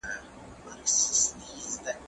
هغه څوک چي مځکه کري حاصل اخلي،